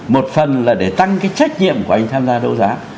một phần là để tăng cái trách nhiệm của anh tham gia đấu giá